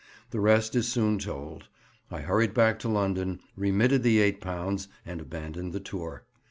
The rest is soon told. I hurried back to London, remitted the £8, and abandoned the tour.